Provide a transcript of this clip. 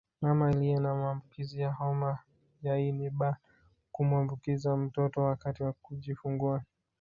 Mama aliye na maambukizi ya homa ya ini B kumuambukiza mtoto wakati wa kujifungua